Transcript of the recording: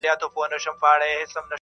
مورې د دې شاعر کتاب چي په لاسونو کي دی~